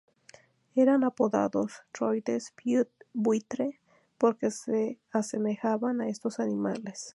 Eran apodados "droides buitre" porque se asemejaban a estos animales.